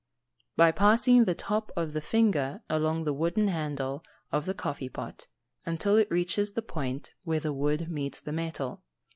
_ By passing the top of the finger along the wooden handle of the coffee pot, until it reaches the point where the wood meets the metal.